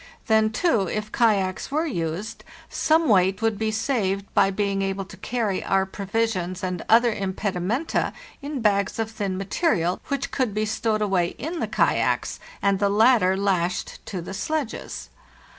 Then, too, if kayaks were used, some weight would be saved by being able to carry our provisions and other empedimenta in bags of thin material, * uch could be stowed away in the kayaks, and the latt shed to the sledges.